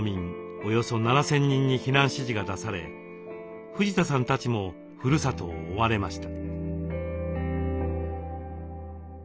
およそ７，０００人に避難指示が出され藤田さんたちもふるさとを追われました。